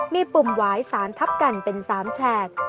มีปุ่มหวายสารทับกันเป็น๓แฉก